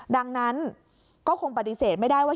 ดังนั้นก็คงปฏิเสธไม่ได้ว่า